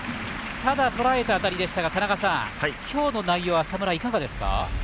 捉えた当たりでしたが今日の内容、浅村、いかがですか。